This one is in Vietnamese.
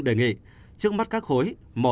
đề nghị trước mắt các khối